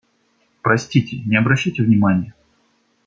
Простите, не обращайте внимания.